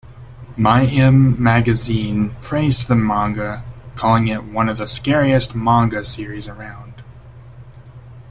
"MyM" magazine praised the manga, calling it "one of the scariest manga series around.